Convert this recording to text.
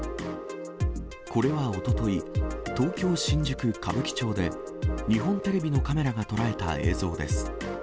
これはおととい、東京・新宿・歌舞伎町で、日本テレビのカメラが捉えた映像です。